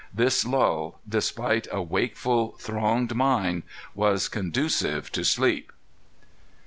This lull, despite a wakeful, thronging mind, was conducive to sleep.